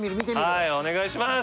はいお願いします。